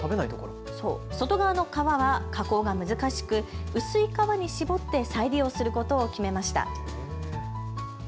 外側の皮は加工が難しく薄い皮に絞って再利用することを決めました。